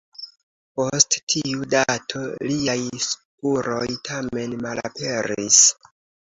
Post tiu dato liaj spuroj tamen malaperis.